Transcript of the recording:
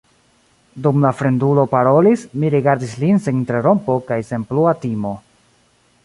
Dum la fremdulo parolis, mi rigardis lin sen interrompo kaj sen plua timo.